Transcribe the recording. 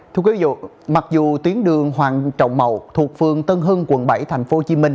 thưa quý vị mặc dù tuyến đường hoàng trọng màu thuộc phường tân hưng quận bảy tp hcm